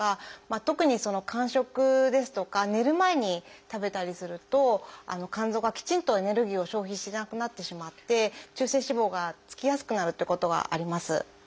特に間食ですとか寝る前に食べたりすると肝臓がきちんとエネルギーを消費しなくなってしまって中性脂肪がつきやすくなるっていうことがあります。